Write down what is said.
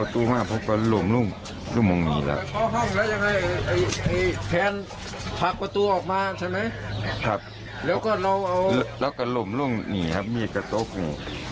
แต่ภูเข้าห้องแล้วยังไงไอ